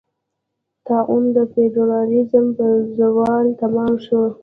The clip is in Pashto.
طاعون د فیوډالېزم په زوال تمام شو.